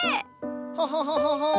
ハハハハハー。